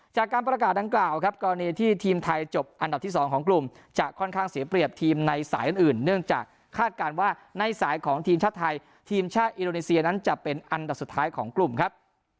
จากการประกาศดังกล่าวครับกรณีที่ทีมไทยจบอันดับที่๒ของกลุ่มจะค่อนข้างเสียเปรียบทีมในสายอื่นเนื่องจากคาดการณ์ว่าในสายของทีมชาติไทยทีมชาติอินโดนีเซียนั้นจะเป็นอันดับสุดท้ายของกลุ่มครับ